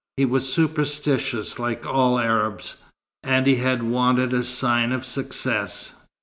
He was superstitious, like all Arabs, and he had wanted a sign of success.